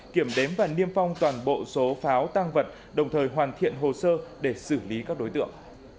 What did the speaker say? kiểm đếm và niêm phong toàn bộ số pháo tăng vật đồng thời hoàn thiện hồ sơ để xử lý các đối tượng